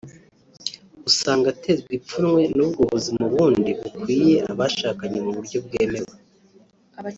usanga aterwa ipfunwe n’ubwo buzima ubundi bukwiye abashakanye mu buryo bwemewe